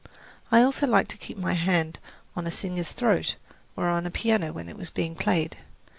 I also liked to keep my hand on a singer's throat, or on a piano when it was being played.